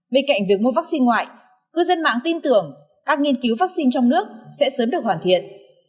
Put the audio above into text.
bên cạnh việc mua vắc xin ngoại cư dân mạng tin tưởng các nghiên cứu vắc xin trong nước sẽ sớm được hoàn thiện